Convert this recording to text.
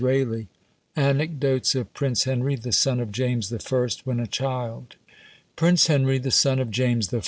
ANECDOTES OF PRINCE HENRY, THE SON OF JAMES I., WHEN A CHILD. Prince Henry, the son of James I.